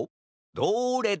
どれだ？